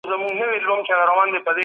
آدم ع ته د ټولو شيانو نومونه وښودل سول.